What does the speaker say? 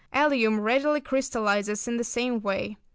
Alum readily crystallises in the same way.